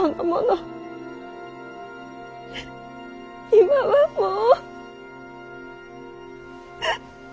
今はもう。